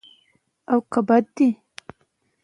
د تولید او عاید زیاتوالی د لنډې اونۍ سره تړاو لري.